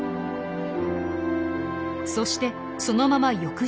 そしてそのまま翌日に。